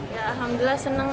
ya alhamdulillah senang